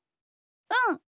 うん。